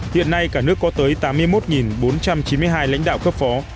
hiện nay cả nước có tới tám mươi một bốn trăm chín mươi hai lãnh đạo cấp phó